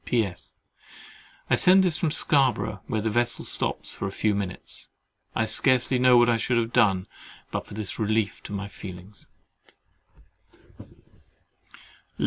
P.S.—I send this from Scarborough, where the vessel stops for a few minutes. I scarcely know what I should have done, but for this relief to my feelings.